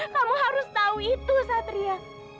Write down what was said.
kamu harus tahu itu satria